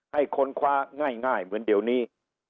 ให้คนคว้าง่ายเหมือนเดี๋ยวนี้